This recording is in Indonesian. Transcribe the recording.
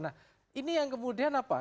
nah ini yang kemudian apa